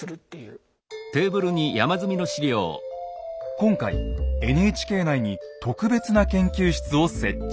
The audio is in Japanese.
今回ＮＨＫ内に特別な研究室を設置。